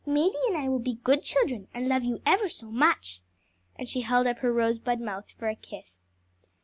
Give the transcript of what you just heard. Madie and I will be good children, and love you ever so much." And she held up her rosebud mouth for a kiss.